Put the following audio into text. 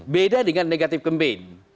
beda dengan negative campaign